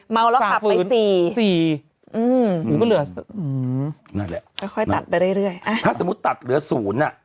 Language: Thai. เมาแล้วขับไปสี่๔อาที่๕ฟื้น